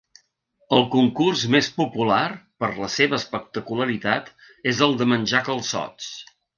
El concurs més popular, per la seva espectacularitat, és el de menjar calçots.